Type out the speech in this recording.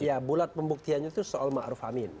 ya bulat pembuktiannya itu soal ma'ruf amin